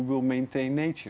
dan itu sangat mengganggu